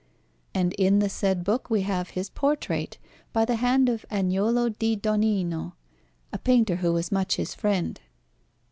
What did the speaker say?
And in the said book we have his portrait by the hand of Agnolo di Donnino, a painter who was much his friend.